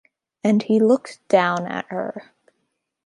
And he looked down at her.